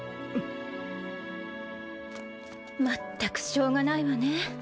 まったくしょうがないわね。